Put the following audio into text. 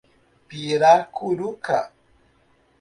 Piracuruca